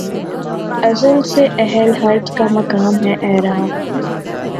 ازل سے اہل خرد کا مقام ہے اعراف